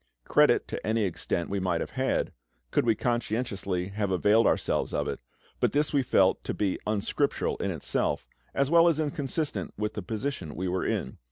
Credit to any extent we might have had, could we conscientiously have availed ourselves of it, but this we felt to be unscriptural in itself, as well as inconsistent with the position we were in.